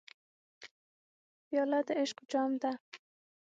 پیاله د عشق جام ده.